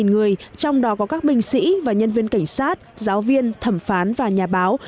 một mươi người trong đó có các binh sĩ và nhân viên cảnh sát giáo viên thẩm phán và nhà báo